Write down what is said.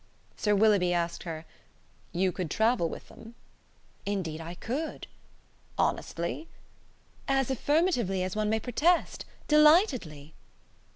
Sir Willoughby asked her: "You could travel with them?" "Indeed I could!" "Honestly?" "As affirmatively as one may protest. Delightedly."